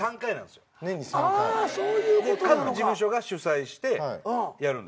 で各事務所が主催してやるんです。